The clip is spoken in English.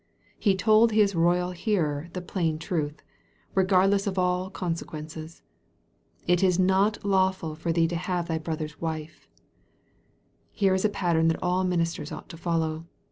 He told his royal hearer the plain truth, regardless of all consequences " It is not lawful for thee to have thy brother's wife." Here is a pattern that all ministers ought to follow.